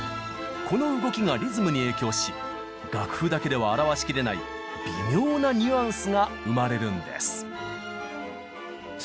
この動きがリズムに影響し楽譜だけでは表しきれない微妙なニュアンスが生まれるんです。